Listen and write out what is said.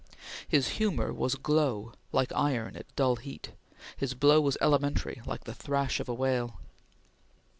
His humor was glow, like iron at dull heat; his blow was elementary, like the thrash of a whale.